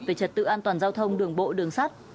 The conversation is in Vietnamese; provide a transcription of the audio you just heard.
về trật tự an toàn giao thông đường bộ đường sắt